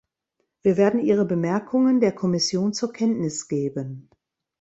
Wir werden Ihre Bemerkungen der Kommission zur Kenntnis geben.